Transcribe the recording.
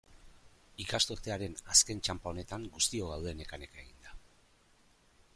Ikasturtearen azken txanpa honetan, guztiok gaude neka-neka eginda.